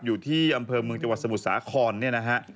อยู่ที่อำเภอเมืองจังหวัดสมุทรสาครเนี่ยนะฮะ